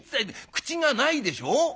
口がないでしょう？